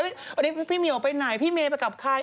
อุ๊ยแต่พี่เหมียวไปไหนพี่เมไปกับใคร